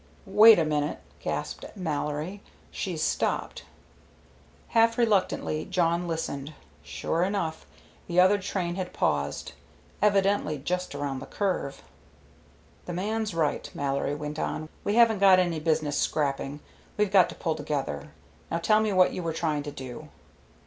"Wait a minute," gasped Mallory; "she's stopped." Half reluctantly Jawn listened. Sure enough, the other train had paused, evidently just around the curve. "The man's right," Mallory went on. "We haven't got any business scrapping; we've got to pull together. Now tell me what you were trying to do."